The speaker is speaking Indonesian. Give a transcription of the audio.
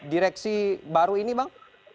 direksi baru ini bang